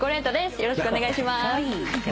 よろしくお願いします。